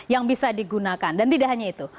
yang bisa digunakan dan tidak hanya itu